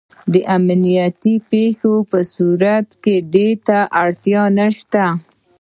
د امنیتي پېښو په صورت کې دې ته اړتیا نشته.